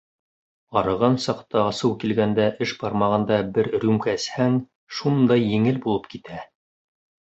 Арыған саҡта, асыу килгәндә, эш бармағанда бер рюмка эсһәң, шундай еңел булып китә.